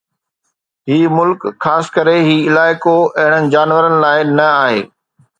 هي ملڪ خاص ڪري هي علائقو اهڙن جانورن لاءِ نه آهي